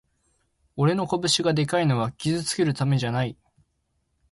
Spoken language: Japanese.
俺の拳がでかいのは傷つけるためじゃない